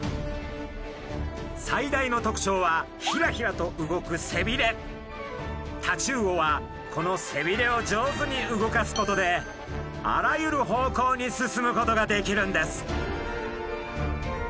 最大の特徴はヒラヒラと動くタチウオはこの背びれを上手に動かすことであらゆる方向に進むことができるんです。